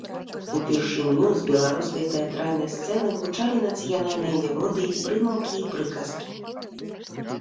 Упершыню з беларускай тэатральнай сцэны гучалі нацыянальныя мелодыі, прымаўкі і прыказкі.